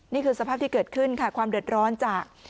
นี่คือสภาพที่เกิดขึ้นค่ะความเดือดร้อนจาก